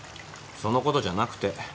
そのことじゃなくて。